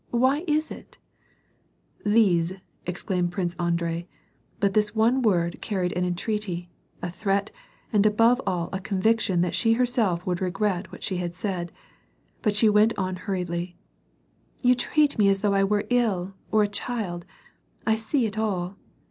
Why is it ?"" Lise !" exclaimed Prince Andrei, but this one word car ried an entreaty, a threat, and above all a conviction that she herself would regret what she had said ; but she went on hur riedly, —" You treat me as though I were ill or a child, I see it all.